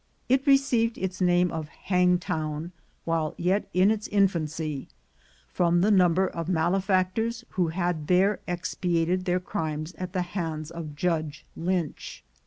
It received its name of Hangtown while yet in its infancy from the number of malefactors who had there expiated their crimes at the hands of Judge Lynch.